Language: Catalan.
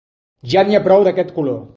Ja n'hi ha prou d'aquest color!